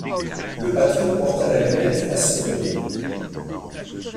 Le patron porta la lunette à son oeil.